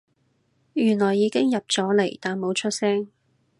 原來已經入咗嚟但冇出聲